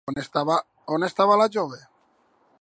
On estava la jove?